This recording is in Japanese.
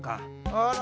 あら！